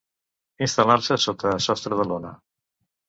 Instal·lar- se sota sostre de lona.